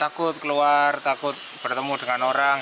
takut keluar takut bertemu dengan orang